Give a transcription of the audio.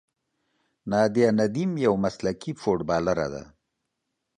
نادیه ندیم یوه مسلکي فوټبالره ده.